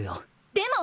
でも！